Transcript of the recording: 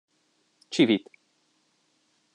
Csivit!